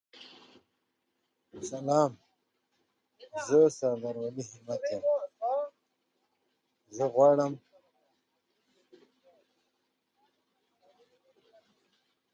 The village serves as a bedroom community for nearby Dartmouth College.